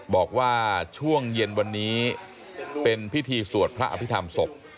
บอกว่าช่วงเย็นวันนี้เป็นพิธีสวดพระอภิษฐรรมศพ